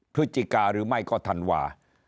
พฤษฐกาฯหรือไม่ก็ธรรมวาฯ